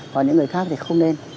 còn những người khác thì không nên